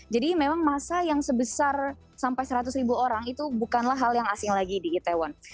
jadi memang masa yang sebesar sampai seratus orang itu bukanlah hal yang asing lagi di itaewon